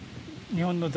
日本の。